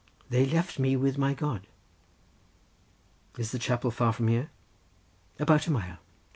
"They left me with my God." "Is the chapel far from here?" "About a mile."